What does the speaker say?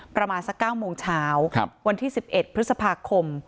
ประมาณสักเก้าโมงเช้าครับวันที่สิบเอ็ดพฤษภาคคม